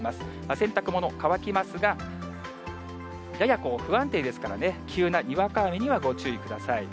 洗濯物、乾きますが、やや不安定ですからね、急なにわか雨にはご注意ください。